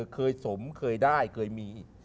เคยสมเคยได้เคยมี